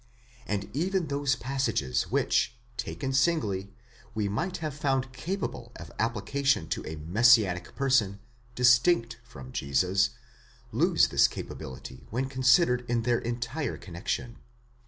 And even those passages, which, taken singly, we might have found capable of application to a messianic person, distinct from Jesus, lose this capability when considered in their entire connexion.